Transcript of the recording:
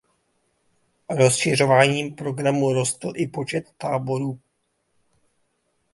Rozšiřováním programu rostl i počet táborů.